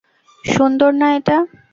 সুন্দর না এটা?